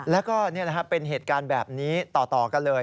แล้วก็เป็นเหตุการณ์แบบนี้ต่อกันเลย